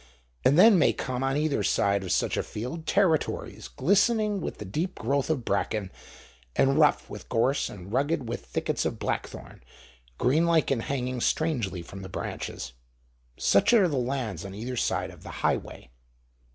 And then may come on either side of such a field territories glistening with the deep growth of bracken, and rough with gorse and rugged with thickets of blackthorn, green lichen hanging strangely from the branches; such are the lands on either side of the Highway.